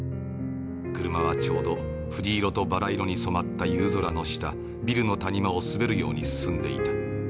車はちょうど藤色とバラ色に染まった夕空の下ビルの谷間を滑るように進んでいた。